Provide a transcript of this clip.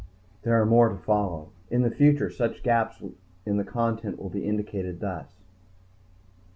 There are more to follow. In the future such gaps in the content will be indicated thus